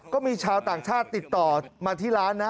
ก็มีชาวต่างชาติติดต่อมาที่ร้านนะ